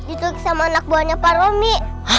ikut sama anak buahnya pak romi